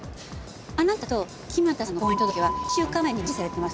あなたと木俣さんの婚姻届は１週間前に受理されてます。